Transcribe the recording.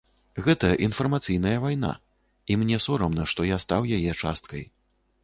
Гэта інфармацыйная вайна, і мне сорамна, што я стаў яе часткай.